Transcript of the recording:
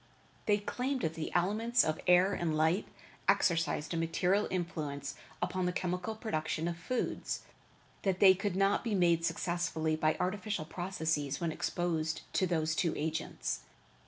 They claimed that the elements of air and light exercised a material influence upon the chemical production of foods, that they could not be made successfully by artificial processes when exposed to those two agents.